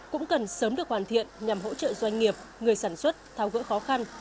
cũng cần sớm được hoàn thiện nhằm hỗ trợ doanh nghiệp người sản xuất thao gỡ khó khăn